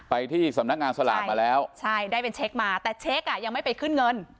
ไปที่สำนักงานสลากมาแล้วใช่ได้เป็นเช็คมาแต่เช็คอ่ะยังไม่ไปขึ้นเงิน